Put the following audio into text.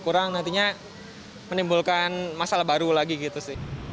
kurang nantinya menimbulkan masalah baru lagi gitu sih